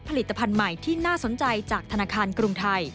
ผลิตภัณฑ์ใหม่ที่น่าสนใจจากธนาคารกรุงไทย